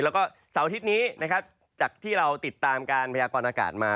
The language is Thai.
แล้วก็เสาร์อาทิตย์นี้นะครับจากที่เราติดตามการพยากรณากาศมา